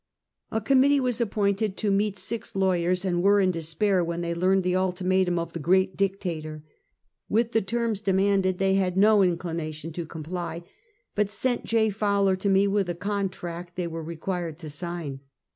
A committee was appointed to meet six lawyers, and were in despair when they learned the ultimatum of the great Dictator. With the terms demanded, they had no inclination to comply, but sent J. Fow ler to me with the contract they were required to sign.